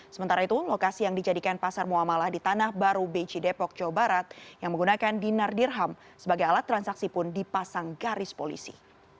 sementara itu lokasi yang dijadikan pasar muamalah di tanah baru beji depok jawa barat yang menggunakan dinar dirham sebagai alat transaksi pun dipasang garis polisi